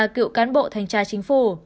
ba cựu cán bộ thanh tra chính phủ